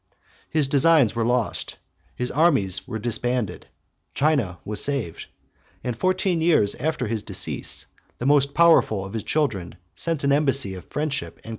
His designs were lost; his armies were disbanded; China was saved; and fourteen years after his decease, the most powerful of his children sent an embassy of friendship and commerce to the court of Pekin.